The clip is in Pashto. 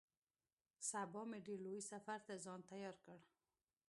سبا مې ډېر لوی سفر ته ځان تيار کړ.